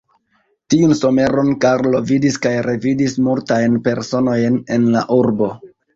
Tiun someron Karlo vidis kaj revidis multajn personojn en la urbo.